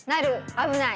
危ない